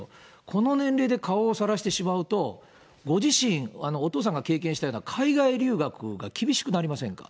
この年齢で顔をさらしてしまうと、ご自身、お父さんが経験したような海外留学が厳しくなりませんか。